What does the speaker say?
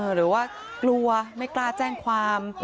หรือว่ากลัวไม่กล้าแจ้งความ